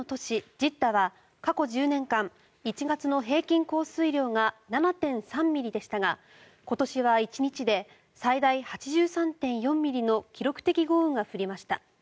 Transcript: ジッダは過去１０年間１月の平均降水量が７．３ミリでしたが今年は１日で最大８３．４ミリの記録的豪雨が降りました。